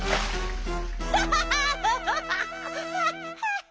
ハハハハハ！